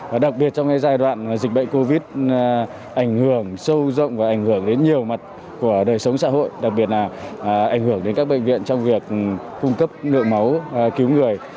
và đặc biệt trong giai đoạn dịch bệnh covid ảnh hưởng sâu rộng và ảnh hưởng đến nhiều mặt của đời sống xã hội đặc biệt là ảnh hưởng đến các bệnh viện trong việc cung cấp lượng máu cứu người